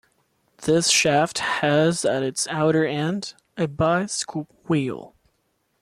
This shaft has at its outer end a by scoopwheel.